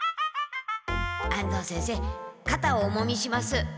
安藤先生かたをおもみします。